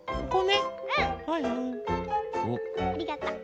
ありがとう。